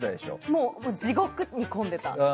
もう地獄に混んでた。